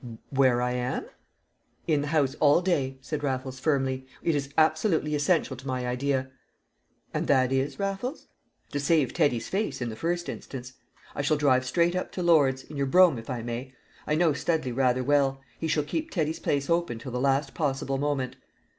"Where I am?" "In the house all day," said Raffles firmly. "It is absolutely essential to my idea." "And that is, Raffles?" "To save Teddy's face, in the first instance. I shall drive straight up to Lord's, in your brougham if I may. I know Studley rather well; he shall keep Teddy's place open till the last possible moment."